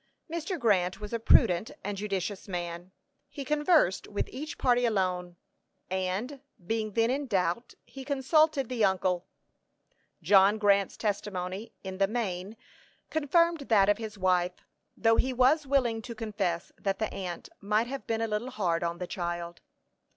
Mr. Grant was a prudent and judicious man. He conversed with each party alone, and, being then in doubt, he consulted the uncle. John Grant's testimony, in the main, confirmed that of his wife, though he was willing to confess that the aunt "might have been a little hard on the child."